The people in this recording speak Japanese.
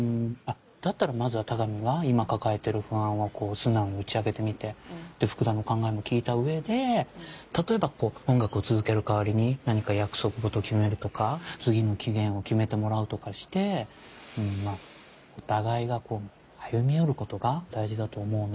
だったらまずは田上が今抱えてる不安を素直に打ち明けてみて福田の考えも聞いた上で例えば音楽を続ける代わりに何か約束事を決めるとか次の期限を決めてもらうとかしてまぁお互いがこう歩み寄ることが大事だと思うな。